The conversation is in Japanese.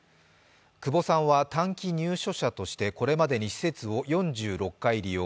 久保さんは短期入所者としてこれまでに施設を４６回利用。